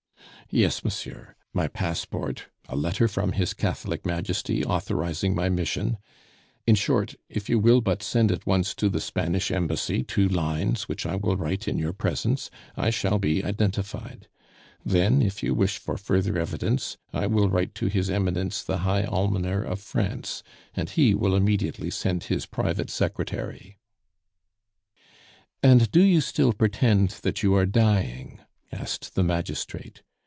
"Yes, monsieur my passport, a letter from his Catholic Majesty authorizing my mission. In short, if you will but send at once to the Spanish Embassy two lines, which I will write in your presence, I shall be identified. Then, if you wish for further evidence, I will write to His Eminence the High Almoner of France, and he will immediately send his private secretary." "And do you still pretend that you are dying?" asked the magistrate.